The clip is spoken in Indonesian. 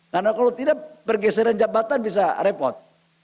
karena kalau tidak pergeseran jabatan bisa repot